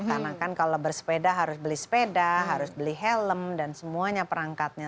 karena kan kalau bersepeda harus beli sepeda harus beli helm dan semuanya perangkatnya